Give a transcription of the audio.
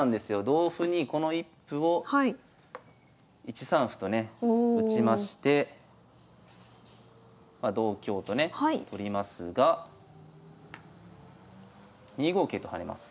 同歩にこの１歩を１三歩とね打ちましてま同香とね取りますが２五桂と跳ねます。